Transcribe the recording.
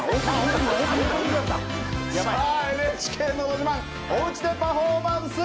「ＮＨＫのど自慢おうちでパフォーマンス」。